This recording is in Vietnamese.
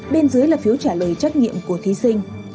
bên dưới là phiếu trả lời trách nhiệm của thí sinh